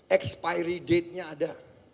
expiry date nya ada